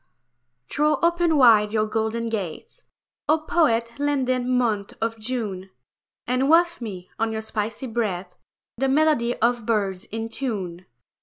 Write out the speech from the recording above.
Throw open wide your golden gates, O poet landed month of June, And waft me, on your spicy breath, The melody of birds in tune.